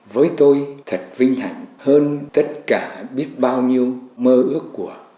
với tôi thật vinh hạnh hơn tất cả biết bao nhiêu mơ ước của